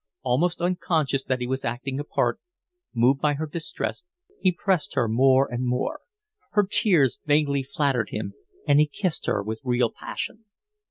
Almost unconscious that he was acting a part, moved by her distress, he pressed her more and more. Her tears vaguely flattered him, and he kissed her with real passion.